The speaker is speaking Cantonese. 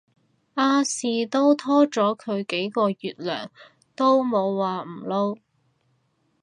亞視都拖咗佢幾個月糧都冇話唔撈